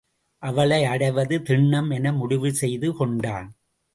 அவளை அடைவது திண்ணம் என முடிவு செய்து கொண்டான்.